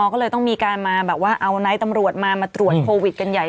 ก็เลยต้องมีการมาแบบว่าเอาไนท์ตำรวจมามาตรวจโควิดกันใหญ่